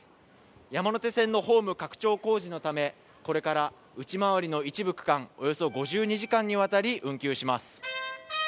山手線のホーム拡張工事のため、これから内回りの一部区間、およそ５２時間にわたり運休します。